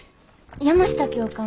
山下教官